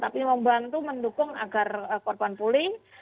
tapi membantu mendukung agar korban pulih